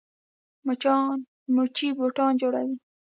موچي بوټان جوړوي.